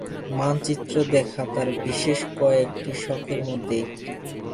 মানচিত্র দেখা তাঁর বিশেষ কয়েকটি শখের মধ্যে একটি।